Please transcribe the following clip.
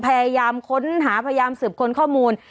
พยายามค้นหาพยายามสืบค้นข้อมูล